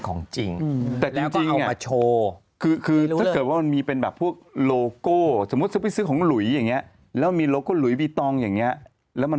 ก็ไม่เอาของออกให้หมดเลยก็เอามีดกรีดนี้เลย